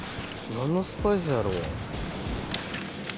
何のスパイスやろ？